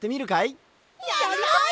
やりたい！